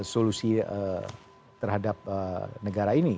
solusi terhadap negara ini